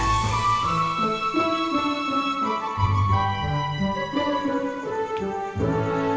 nanti kita pulang dulu ya